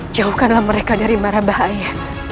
jauhkanlah mereka dari marah bahaya